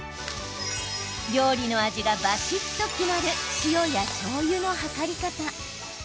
料理の味がばしっと決まる塩や、しょうゆのはかり方。